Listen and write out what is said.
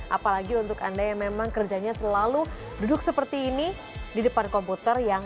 apalagi untuk anda yang memang kerjanya selalu duduk seperti ini di depan komputer